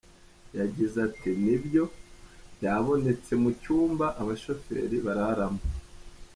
Yagize ati “Nibyo, byabonetse mu cyumba abashoferi bararamo.